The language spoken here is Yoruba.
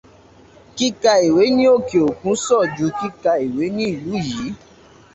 Kíkà ìwé ní òkè-òkun sàn ju kíkà ìwé ní ìlú yìí.